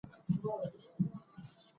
A ګروپ لرونکي د کولمو د زخم خطر لري.